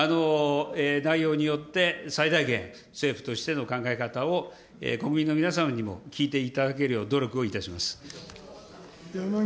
内容によって、最大限、政府としての考え方を国民の皆様にも聞いていただけるよう努力を山岸一生君。